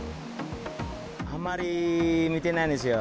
あまり見てないですよ。